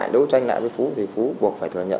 đấu tranh lại với phú thì phú buộc phải thừa nhận